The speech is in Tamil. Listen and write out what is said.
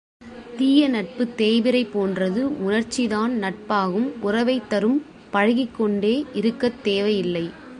தீய நட்புத் தேய்பிறை போன்றது உணர்ச்சிதான் நட்பாகும் உறவைத் தரும் பழகிக்கொண்டே இருக்கத் தேவை இல்லை.